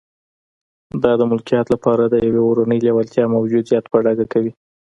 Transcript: دا د ملکیت لپاره د یوې اورنۍ لېوالتیا موجودیت په ډاګه کوي